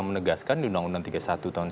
menegaskan di undang undang tiga puluh satu tahun